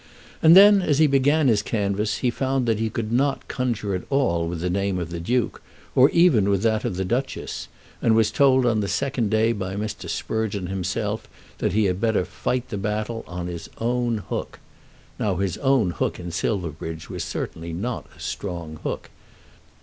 And then, as he began his canvass, he found that he could not conjure at all with the name of the Duke, or even with that of the Duchess; and was told on the second day by Mr. Sprugeon himself that he had better fight the battle "on his own hook." Now his own hook in Silverbridge was certainly not a strong hook.